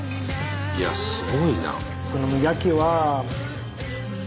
いやすごいな。